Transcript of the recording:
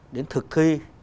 đến thực thi